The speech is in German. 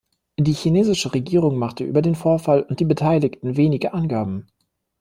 Die chinesische Regierung machte über den Vorfall und die Beteiligten wenige Angaben.